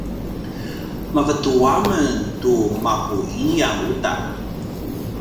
mavetu a men tu mapu ingyang uta